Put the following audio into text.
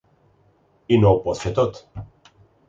I no ho pot fer tot.